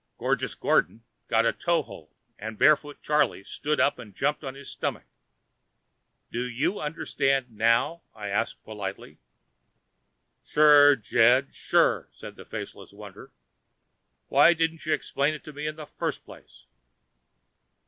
Gorgeous Gordon got a toehold and Barefoot Charley stood by to jump on his stomach. "Do you understand now?" I asked politely. "Sure, Jed, sure," said the Faceless Wonder. "Why didn't ya explain it to me in the first place?"